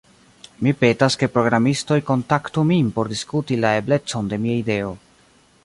Mi petas ke programistoj kontaktu min por diskuti la eblecon de mia ideo.